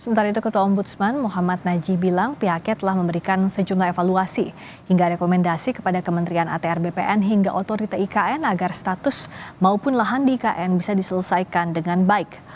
sementara itu ketua ombudsman muhammad najib bilang pihaknya telah memberikan sejumlah evaluasi hingga rekomendasi kepada kementerian atr bpn hingga otorita ikn agar status maupun lahan di ikn bisa diselesaikan dengan baik